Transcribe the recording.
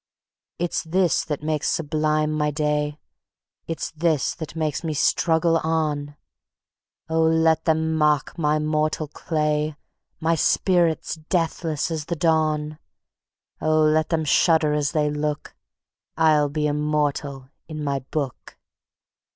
It's this that makes sublime my day; It's this that makes me struggle on. Oh, let them mock my mortal clay, My spirit's deathless as the dawn; Oh, let them shudder as they look ... I'll be immortal in my Book.